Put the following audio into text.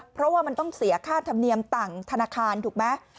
เพราะว่ามันต้องเสียค่าธรรมเนียมต่างธนาคารถูกไหม